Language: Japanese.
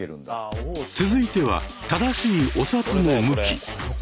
続いては正しいお札の向き。